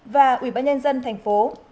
và ubnd thành phố